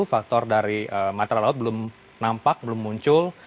faktor dari matra laut belum nampak belum muncul